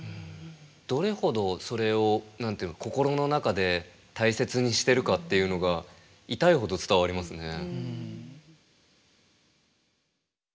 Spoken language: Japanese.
どれほどそれを心の中で大切にしてるかっていうのが痛いほど伝わりますね。